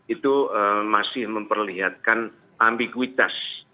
itu masih memperlihatkan ambiguitas